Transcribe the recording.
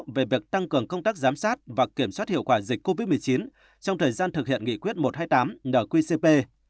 về việc tăng cường công tác giám sát và kiểm soát hiệu quả dịch covid một mươi chín trong thời gian thực hiện nghị quyết một trăm hai mươi tám nqcp